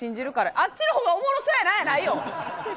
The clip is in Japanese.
あっちのほうがおもろそうやなじゃないよ。